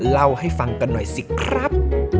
เล่าให้ฟังกันหน่อยสิครับ